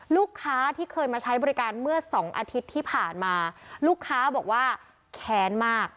ลูกค้าที่เคยมาใช้บริการเมื่อสองอาทิตย์ที่ผ่านมาลูกค้าบอกว่าแค้นมาก